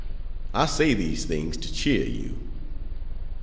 I say these things to cheer you.